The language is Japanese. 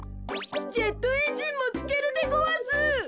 ジェットエンジンもつけるでごわす。